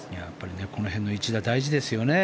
この辺の一打大事ですよね。